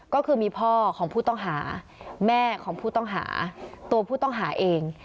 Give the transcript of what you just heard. ก็คือมีพ่อของผู้ต้องหาแม่ของผู้ต้องหาตัวผู้ต้องหาเอง